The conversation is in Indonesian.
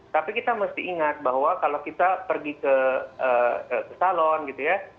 tapi kita mesti ingat bahwa kalau kita pergi ke salon gitu ya